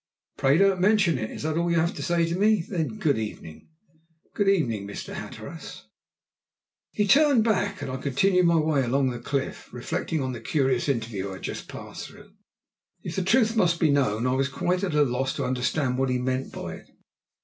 "Pray don't mention it. Is that all you have to say to me? Then good evening!" "Good evening, Mr. Hatteras." He turned back, and I continued my way along the cliff, reflecting on the curious interview I had just passed through. If the truth must be known, I was quite at a loss to understand what he meant by it!